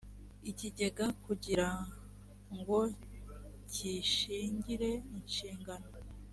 ikigega kugira ngo cyishingire inshingano